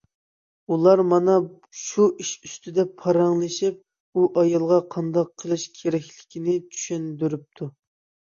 ئۇلار مانا شۇ ئىش ئۈستىدە پاراڭلىشىپ، ئۇ ئايالغا قانداق قىلىش كېرەكلىكىنى چۈشەندۈرۈپتۇ.